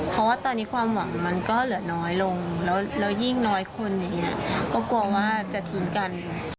เพราะว่าตอนนี้ความหวังมันก็เหลือน้อยลงแล้วยิ่งน้อยคนอย่างนี้ก็กลัวว่าจะทิ้งกัน